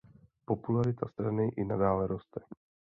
Popularita strany i nadále roste.